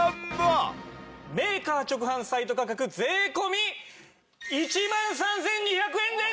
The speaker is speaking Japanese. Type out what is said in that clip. メーカー直販サイト価格税込１万３２００円です！